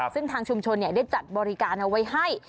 ซึ่งทางชุมชนได้จัดบริการเอาไว้ให้